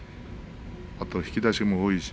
あと引き出しも多いし。